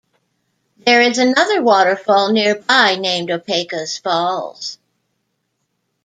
There is another waterfall nearby named 'Opaeka'a Falls.